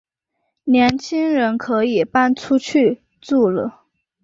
年轻人可以搬出去住了